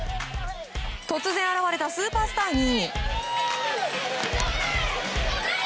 突然現れたスーパースターに。